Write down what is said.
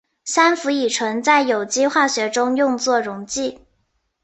三氟乙醇在有机化学中用作溶剂。